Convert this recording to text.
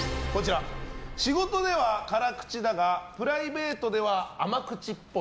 仕事では辛口だがプライベートでは甘口っぽい。